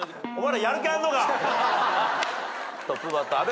トップバッター阿部君。